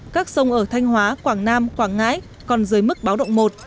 các sông ở thanh hóa quảng nam quảng ngãi còn dưới mức báo động một